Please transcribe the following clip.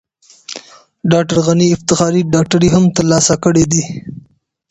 ډاکټر غني افتخاري ډاکټرۍ هم ترلاسه کړې دي.